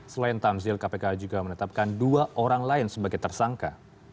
selain tamzil kpk juga menetapkan dua orang lain sebagai tersangka